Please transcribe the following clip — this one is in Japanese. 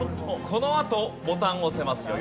このあとボタンを押せますよ。